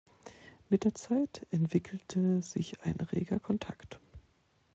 Mit der Zeit entwickelte sich ein reger Kontakt.